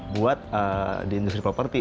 buat di industri properti